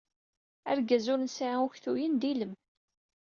Argaz ur nesɛi uktuyen, d ilem.